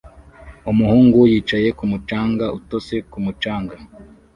Umuhungu yicaye ku mucanga utose ku mucanga